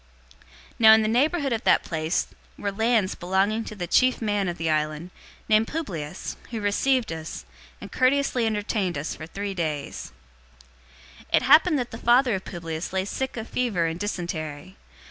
028:007 Now in the neighborhood of that place were lands belonging to the chief man of the island, named Publius, who received us, and courteously entertained us for three days. 028:008 It happened that the father of Publius lay sick of fever and dysentery.